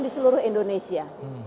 di seluruh indonesia